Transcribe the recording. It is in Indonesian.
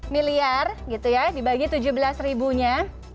tiga puluh dua empat miliar gitu ya dibagi tujuh belas ribunya